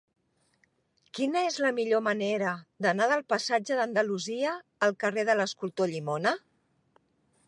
Quina és la millor manera d'anar del passatge d'Andalusia al carrer de l'Escultor Llimona?